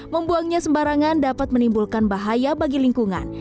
membuangnya sembarangan dapat menimbulkan bahaya bagi lingkungan